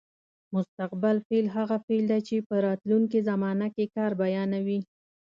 مستقبل فعل هغه فعل دی چې په راتلونکې زمانه کې کار بیانوي.